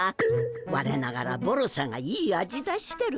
ワレながらボロさがいい味出してる。